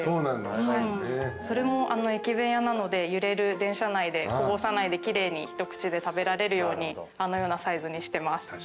それも駅弁屋なので揺れる電車内でこぼさないで奇麗に一口で食べられるようにあのようなサイズにしてます。